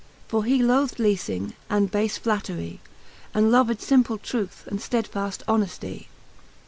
For he loathd leafing, and bafe flattery, And loved fimple truth and ftedfaft honefty. ly.